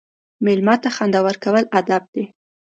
مېلمه ته خندا ورکول ادب دی.